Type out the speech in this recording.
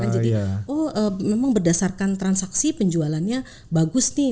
jadi oh memang berdasarkan transaksi penjualannya bagus nih